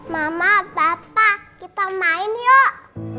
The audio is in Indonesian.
mama papa kita main yuk